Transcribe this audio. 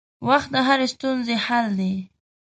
وخت د هرې ستونزې حل دی.